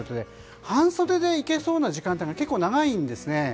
半袖でいけそうな時間帯が結構、長いんですね。